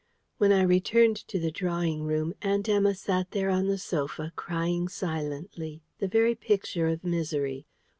When I returned to the drawing room, Aunt Emma sat there on the sofa, crying silently, the very picture of misery.